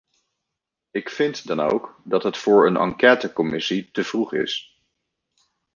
Ik vind dan ook dat het voor een enquêtecommissie te vroeg is.